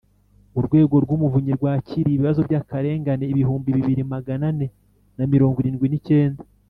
urwego rw’umuvunyi rwakiriye ibibazo by’akarengane ibihumbi bibiri magana ane na mirongo irindwi n’icyenda